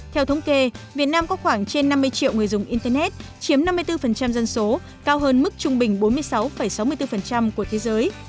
theo thống kê việt nam có khoảng trên năm mươi triệu người dùng internet chiếm năm mươi bốn dân số cao hơn mức trung bình bốn mươi sáu sáu mươi bốn của thế giới